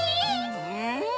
うん！